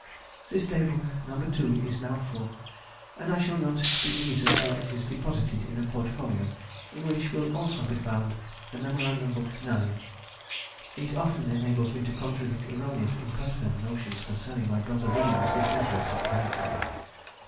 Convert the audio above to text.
This Day book, No. 2, is now full, and I shall not be easy till it is deposited in a portfolio, in which will also be found the Mem. book 9.... It often enables me to contradict erroneous impertinent notions concerning my brother William's disinterested character.